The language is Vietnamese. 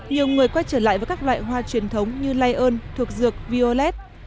nhiều người quay trở lại với các loại hoa truyền thống như lion thuộc dược violet